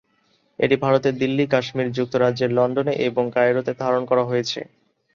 এটি ভারতের দিল্লি, কাশ্মীর, যুক্তরাজ্যের লন্ডনে এবং কায়রোতে ধারণ করা হয়েছে।